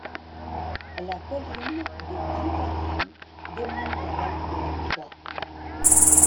La colline de Guivat Ram domine la vallée de la Croix.